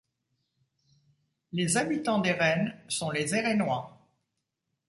Les habitants d'Airaines sont les Airainois.